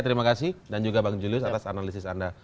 terima kasih dan juga bang julius atas analisis anda